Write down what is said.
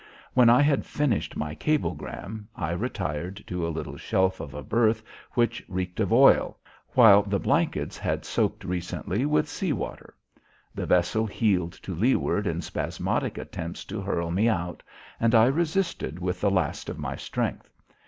When I had finished my cablegram, I retired to a little shelf of a berth, which reeked of oil, while the blankets had soaked recently with sea water. The vessel heeled to leaward in spasmodic attempts to hurl me out, and I resisted with the last of my strength.